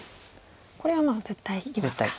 これは絶対利きますか。